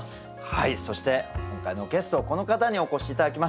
そして今回のゲストこの方にお越し頂きました。